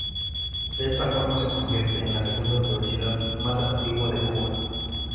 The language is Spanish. De esta forma se convierte en la segunda universidad más antigua de Cuba.